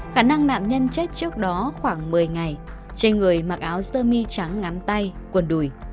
khả năng nạn nhân chết trước đó khoảng một mươi ngày trên người mặc áo sơ mi trắng ngắn tay quần đùi